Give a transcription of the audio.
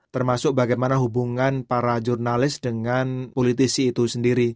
termasuk bagaimana hubungan para jurnalis dengan politisi itu sendiri